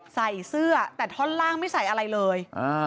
ใส่เสื้อแต่ท่อนล่างไม่ใส่อะไรเลย